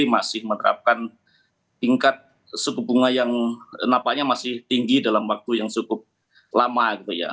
masih menerapkan tingkat suku bunga yang nampaknya masih tinggi dalam waktu yang cukup lama gitu ya